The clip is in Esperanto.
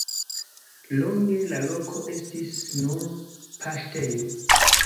Longe la loko estis nur paŝtejo.